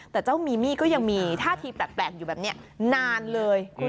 แต่เจ้ามีมี่ก็ยังมีท่าทีแปลกอยู่แบบนี้นานเลย